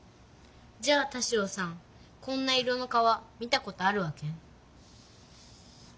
じゃあ田代さんこんな色の川見たことあるわけ？